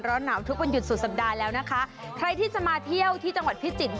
หนาวทุกวันหยุดสุดสัปดาห์แล้วนะคะใครที่จะมาเที่ยวที่จังหวัดพิจิตร